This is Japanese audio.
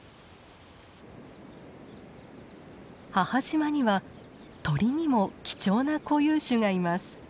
母島には鳥にも貴重な固有種がいます。